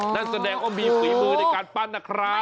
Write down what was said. นั่นแสดงว่ามีฝีมือในการปั้นนะครับ